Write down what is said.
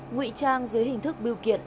nguyễn trang dưới hình thức biêu kiện